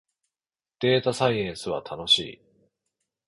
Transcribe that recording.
データサイエンスは楽しい